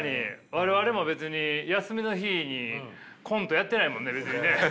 我々も別に休みの日にコントやってないもんね別にね。